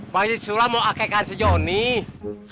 bang aji sulam mau akekkan sejon nih